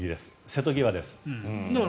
瀬戸際です。